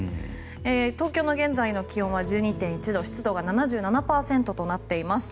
東京の現在の気温は１２．１度湿度が７７％となっています。